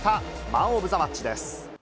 マン・オブ・ザ・マッチです。